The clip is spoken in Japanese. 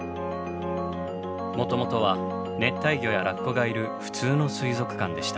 もともとは熱帯魚やラッコがいる普通の水族館でした。